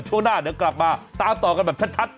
ช่วงหน้าเดี๋ยวกลับมาตามต่อกันแบบชัด